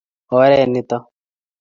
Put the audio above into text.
oret nito